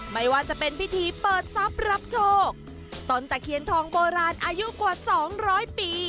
ไม่ว่าจะเป็นพิธีเปิดทรัพย์รับโชคต้นตะเคียนทองโบราณอายุกว่าสองร้อยปี